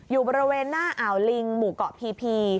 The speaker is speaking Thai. อยู่บริเวณหน้าอ่าวลิงหมู่เกาะพีพี